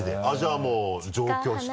もう上京して。